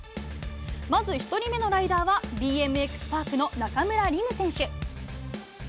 まず１人目のライダーは、ＢＭＸパークの中村輪夢選手。